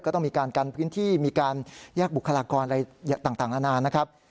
ก็ต้องมีการกันพื้นที่มีการแยกบุคลากรอะไรต่างนานานะครับ